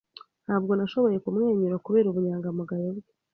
Ntabwo nashoboye kumwenyura kubera ubunyangamugayo bwe.